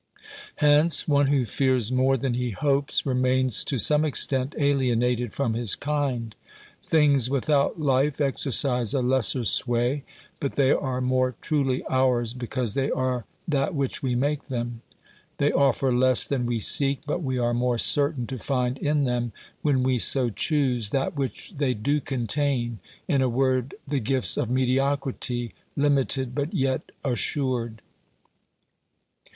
Hence, one who fears more than he hopes remains to some extent alienated from his kind. Things without life exercise a lesser sway, but they are more truly ours because they are that which we make them. They offer less than we seek, but we are more certain to find in them, when we so choose, that which they do contain, in a word, the gifts of mediocrity, limited but yet assured.